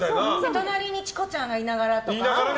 隣にチコちゃんがいながら？